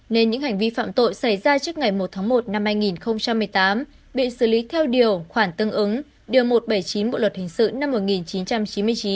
nên những hành vi phạm tội xảy ra trước ngày một tháng một năm hai nghìn một mươi tám bị xử lý theo điều khoản tương ứng điều một trăm bảy mươi chín bộ luật hình sự năm một nghìn chín trăm chín mươi chín